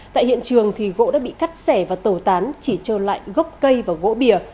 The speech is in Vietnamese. tại hiện trường thì gỗ đã bị cắt sẻ và tổ tán chỉ cho lại gốc cây và gỗ bìa